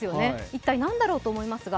一体何だろうと思いますが。